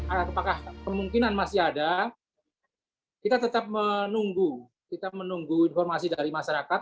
apakah kemungkinan masih ada kita tetap menunggu kita menunggu informasi dari masyarakat